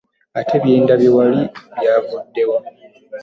Ate bye ndabye wali byavudde wa?